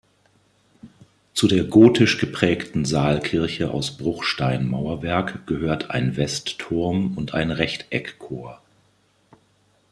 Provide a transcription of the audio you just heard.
Zu der gotisch geprägten Saalkirche aus Bruchsteinmauerwerk gehört ein Westturm und ein Rechteckchor.